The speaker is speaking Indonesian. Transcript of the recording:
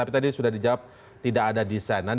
tapi tadi sudah dijawab tidak ada desainan